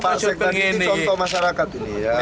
persih ini apa persiapan ini